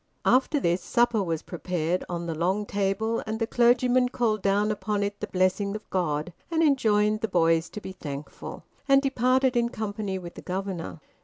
After this, supper was prepared on the long table, and the clergyman called down upon it the blessing of God, and enjoined the boys to be thankful, and departed in company with the governor.